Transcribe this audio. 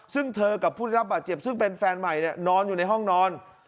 ซึ่งเธอกับผู้ได้รับบาดเจ็บซึ่งเป็นแฟนใหม่นอนอยู่ในห้องนอน